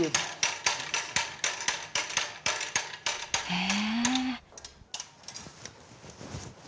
へえ。